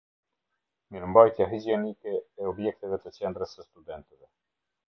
Mirembajtja higjenike e objekteve te Qendres se Studenteve